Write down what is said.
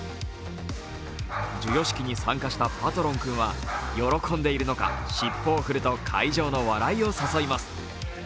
授与式に参加したパトロン君は喜んでいるのか尻尾を振ると会場の笑いを誘います。